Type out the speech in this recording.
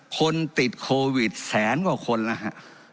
คนติดโควิดแสนกว่าคนแล้วฮะ